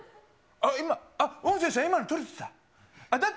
あっ、今、音声さん、今の撮れてた？